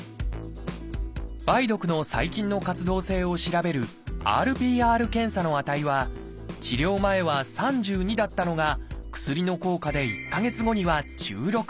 梅毒の細菌の活動性を調べるＲＰＲ検査の値は治療前は「３２」だったのが薬の効果で１か月後には「１６」。